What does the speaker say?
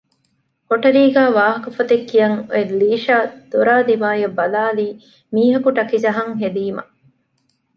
ކޮޓަރީގައި ވާހަކަފޮތެއް ކިޔަން އޮތް ލީޝާ ދޮރާދިމާއަށް ބަލާލީ މީހަކު ޓަކިޖަހަން ހެދީމަ